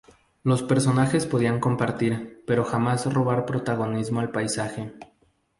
Los personajes podían compartir pero jamás robar protagonismo al paisaje.